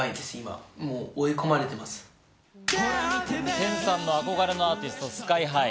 テンさんの憧れのアーティストＳＫＹ−ＨＩ。